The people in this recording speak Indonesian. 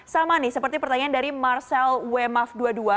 sama nih seperti pertanyaan dari marcel wemaf dua puluh dua